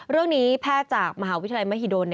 เรื่องนี้แพทย์จากมหาวิทยาลัยมหิดล